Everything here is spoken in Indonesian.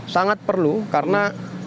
sangat perlu karena